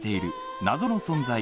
謎の存在